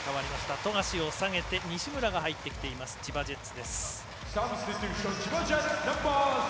富樫を下げて西村が入ってきています、千葉ジェッツ。